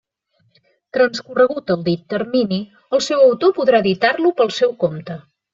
Transcorregut el dit termini, el seu autor podrà editar-lo pel seu compte.